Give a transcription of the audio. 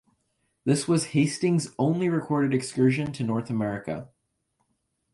This was Hastings’ only recorded excursion to North America.